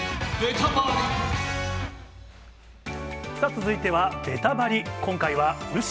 続いては、ベタバリ。